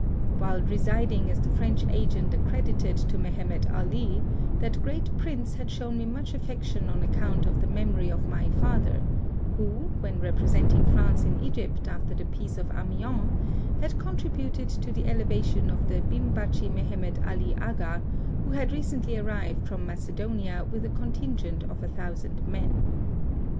While residing as the French agent ac credited to Mehemet Ali, that great prince had shown me much affection on account of the memory of my father, who, when repre senting France in Egypt after the peace of Amiens, had contributed to the elevation of the Bim bachi Mehemet Ali Aga, who had recently arrived from Macedonia with a contingent of a thousand men.